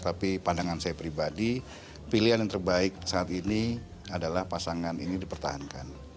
tapi pandangan saya pribadi pilihan yang terbaik saat ini adalah pasangan ini dipertahankan